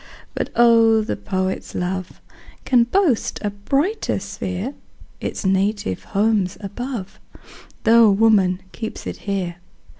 But oh! the poet's love Can boast a brighter sphere; Its native home's above, Tho' woman keeps it here.